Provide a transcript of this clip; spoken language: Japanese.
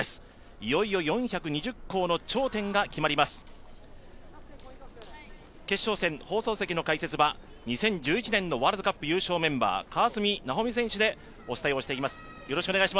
いよいよ４２０校の頂点が決まります決勝戦、放送席の解説は２０１１年のワールドカップ優勝メンバー、川澄奈穂美選手でお伝えをしていきます。